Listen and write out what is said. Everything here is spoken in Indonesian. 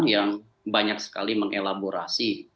yang banyak sekali mengelaborasi